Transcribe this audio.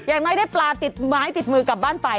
อย่างน้อยได้ปลาติดไม้ติดมือกลับบ้านไป